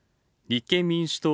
立憲民主党